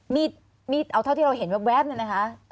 มีดมีดถือที่เห็นแบบแว้บนึงนะคะ